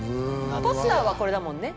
ポスターはこれだもんね。